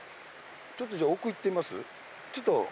ちょっとじゃ奥行ってみます？